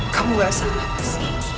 kamu gak salah mas